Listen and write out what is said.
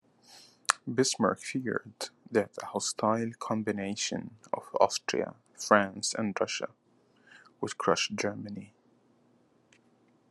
Bismarck feared that a hostile combination of Austria, France and Russia would crush Germany.